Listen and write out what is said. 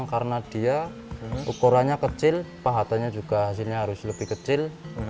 karena dia ukurannya kecil pahatannya juga hasilnya harus lebih kecil